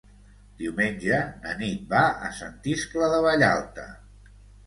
Diumenge na Nit va a Sant Iscle de Vallalta.